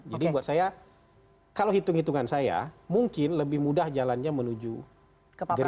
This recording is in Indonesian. jadi buat saya kalau hitung hitungan saya mungkin lebih mudah jalannya menuju gerindra